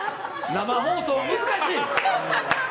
生放送は難しい。